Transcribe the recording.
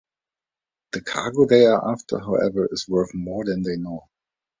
The cargo they are after, however, is worth more than they know.